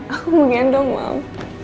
aku mau ngendong mam